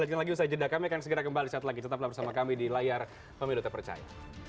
nanti lagi usai jendak kami akan segera kembali setelah kita tetap bersama kami di layar pemilu tepercaya